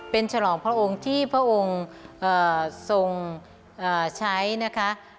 เป็นฉลองพระองค์ที่พระองค์ทรงใช้นะคะ